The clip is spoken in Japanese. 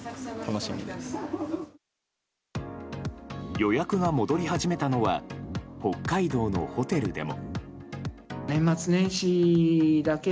予約が戻り始めたのは北海道のホテルでも。